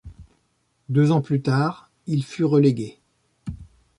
Deux ans plus tard, il fut relégué.